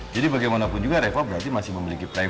jadi bagaimanapun juga rafa berarti masih memiliki privasi dong